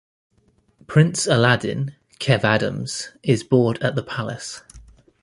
Prince Aladdin (Kev Adams) is bored at the palace.